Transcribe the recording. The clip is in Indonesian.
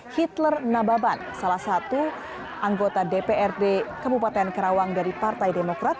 hitler nababan salah satu anggota dprd kabupaten karawang dari partai demokrat